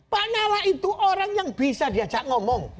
pak nala itu orang yang bisa diajak ngomong